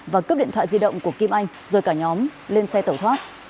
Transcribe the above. và cướp điện thoại di động của kim anh rồi cả nhóm lên xe tẩu thoát